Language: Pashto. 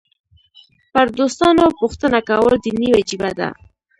پر دوستانو پوښتنه کول دیني وجیبه ده.